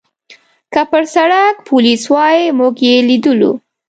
که پر سړک پولیس وای، موږ یې لیدلو.